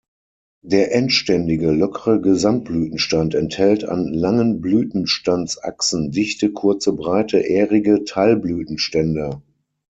Der endständige, lockere Gesamtblütenstand enthält an langen Blütenstandsachsen dichte, kurze, breite, ährige Teilblütenstände.